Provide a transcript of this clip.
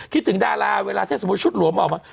คิดถึงดาราเวลาถ้าสมมุติชุดหลวมออกมา